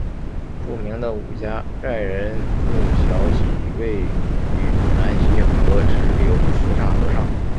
著名的五家寨人字桥即位于南溪河支流四岔河上。